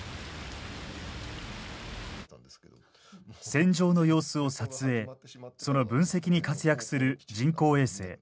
戦場の様子を撮影その分析に活躍する人工衛星。